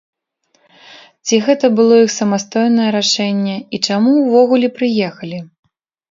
Ці гэта было іх самастойнае рашэнне, і чаму ўвогуле прыехалі?